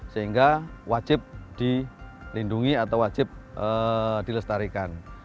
sehingga wajib dilindungi atau wajib dilestarikan